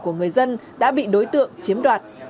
của người dân đã bị đối tượng chiếm đoạt